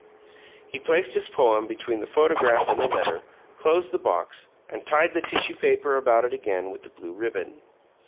He placed his poem between the photograph and the letter, closed the box, and tied the tissue paper about it again with the blue ribbon.